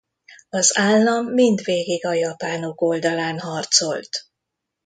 Az állam mindvégig a japánok oldalán harcolt.